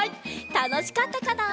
たのしかったかな？